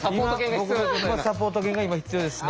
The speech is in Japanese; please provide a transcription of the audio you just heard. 僕サポート犬が今必要ですね。